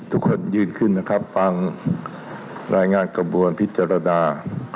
ทุกคนยื่นขึ้นนะครับฟังรายงานกระบวนพิจารณา